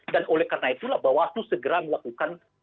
dan oleh karena itulah bawaslu segera melakukan